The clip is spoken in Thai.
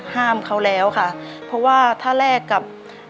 ห้ามเขาแล้วค่ะเพราะว่าถ้าแลกกับ